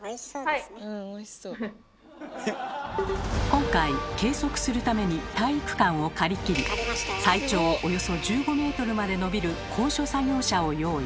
今回計測するために体育館を借り切り最長およそ１５ｍまで伸びる高所作業車を用意。